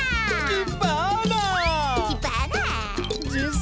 キバーナ！